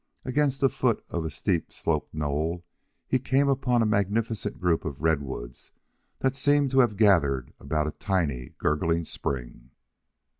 Against the foot of a steep sloped knoll he came upon a magnificent group of redwoods that seemed to have gathered about a tiny gurgling spring.